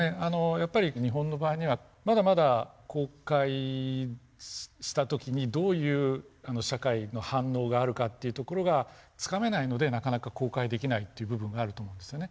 やっぱり日本の場合にはまだまだ公開した時にどういう社会の反応があるかっていうところがつかめないのでなかなか公開できないっていう部分があると思うんですよね。